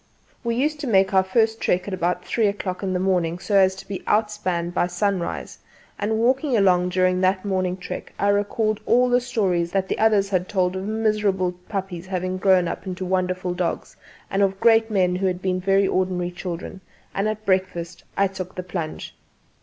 We used to make our first trek at about three o'clock in the morning, so as to be outspanned by sunrise; and walking along during that morning trek I recalled all the stories that the others had told of miserable puppies having grown into wonderful dogs, and of great men who had been very ordinary children; and at breakfast I took the plunge.